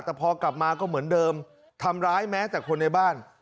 แต่พอกลับมาก็เหมือนเดิมทำร้ายแม้แต่คนในบ้าน